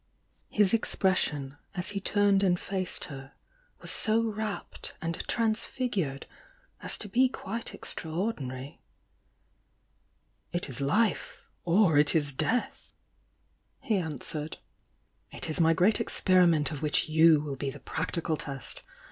His expression, as he turned and faced her^ was so rapt and transfigured as to be quite extraordinary. "It is life, — or it is death!" he answered. "It is my Great Experiment of which you will be the prac tical test!